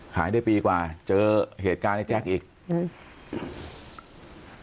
ขายได้ปีกว่าเจอเหตุการณ์ในแจ๊คอีกอืม